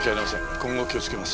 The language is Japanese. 今後気をつけます。